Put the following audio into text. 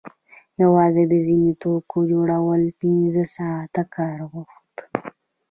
پخوا د ځینو توکو جوړول پنځه ساعته کار غوښت